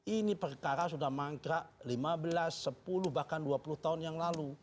ini perkara sudah mangkrak lima belas sepuluh bahkan dua puluh tahun yang lalu